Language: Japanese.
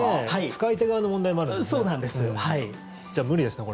使い手側の問題もあるわけですよね。